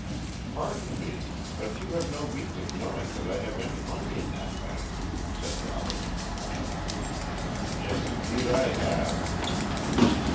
"Pardon me, but you have no means of knowing that I have any money in that bank," said Robert. "Yes, indeed I have."